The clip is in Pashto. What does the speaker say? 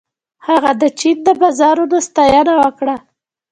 هغه د چین د بازارونو ستاینه وکړه.